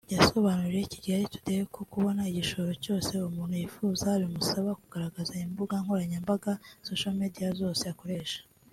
yasobanuriye Kigali today ko kubona igishoro cyose umuntu yifuza bimusaba kugaragaza imbuga nkoranyambaga (social media) zose akoresha